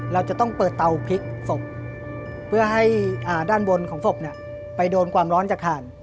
เราจะต้องเปิดเตาพลิกศพเพื่อให้ด้านบนของศพไปโดนความร้อนจากข่าน